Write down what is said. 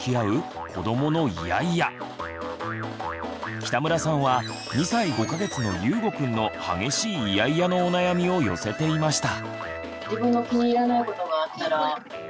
北村さんは２歳５か月のゆうごくんの激しいイヤイヤのお悩みを寄せていました。